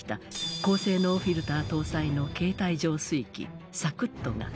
「高性能フィルター搭載の携帯浄水器ＳＡＫＵＴＴＯが」